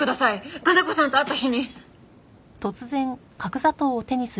加奈子さんと会った日に！